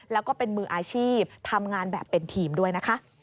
แล้วก็เป็นมืออาชีพทำงานแบบเป็นทีมด้วยนะคะ